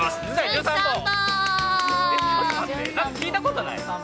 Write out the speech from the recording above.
なんか聞いたことない？